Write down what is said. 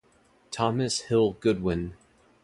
Thomas Hill Goodwin.